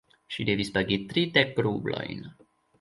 Ŝi devis pagi tridek rublojn.